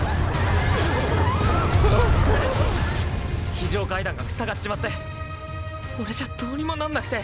非常階段が塞がっちまって俺じゃどうにもなんなくて。